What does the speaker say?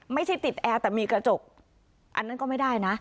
ไม่ใช่ติดแอร์แต่มีกระจกอันนั้นก็ไม่ได้นะ